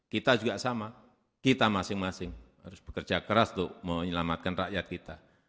kita juga sama kita masing masing harus bekerja keras untuk menyelamatkan rakyat kita